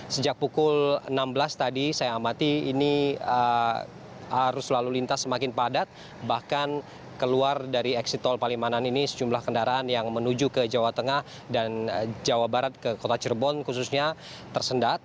sejak pukul enam belas tadi saya amati ini arus lalu lintas semakin padat bahkan keluar dari eksit tol palimanan ini sejumlah kendaraan yang menuju ke jawa tengah dan jawa barat ke kota cirebon khususnya tersendat